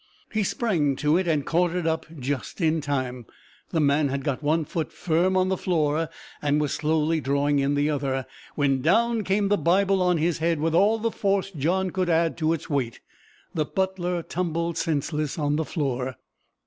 He sprang to it, and caught it up just in time. The man had got one foot firm on the floor, and was slowly drawing in the other, when down came the bible on his head, with all the force John could add to its weight. The butler tumbled senseless on the floor.